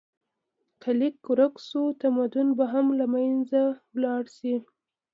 که لیک ورک شو، تمدن به هم له منځه لاړ شي.